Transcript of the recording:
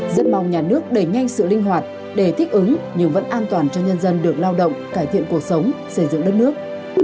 rất mong nhà nước đẩy nhanh sự linh hoạt để thích ứng nhưng vẫn an toàn cho nhân dân được lao động cải thiện cuộc sống xây dựng đất nước